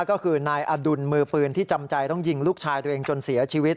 ก็คือนายอดุลมือปืนที่จำใจต้องยิงลูกชายตัวเองจนเสียชีวิต